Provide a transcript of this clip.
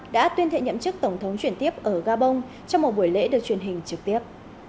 đã tuyên thệ nhậm chức tổng thống chuyển tiếp ở gabon trong một buổi lễ được truyền hình trực tiếp